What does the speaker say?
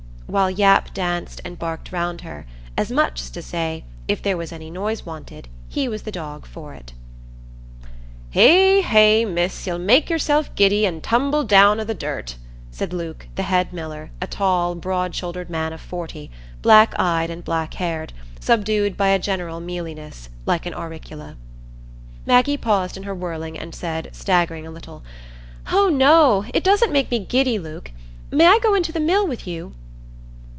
while Yap danced and barked round her, as much as to say, if there was any noise wanted he was the dog for it. "Hegh, hegh, Miss! you'll make yourself giddy, an' tumble down i' the dirt," said Luke, the head miller, a tall, broad shouldered man of forty, black eyed and black haired, subdued by a general mealiness, like an auricula. Maggie paused in her whirling and said, staggering a little, "Oh no, it doesn't make me giddy, Luke; may I go into the mill with you?"